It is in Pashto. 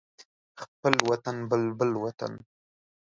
خپل وطن بلبل وطن